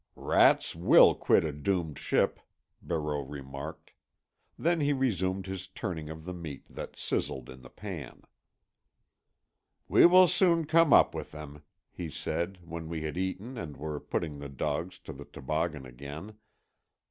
"Rats will quit a doomed ship," Barreau remarked. Then he resumed his turning of the meat that sizzled in the pan. "We will soon come up with them," he said, when we had eaten and were putting the dogs to the toboggan again.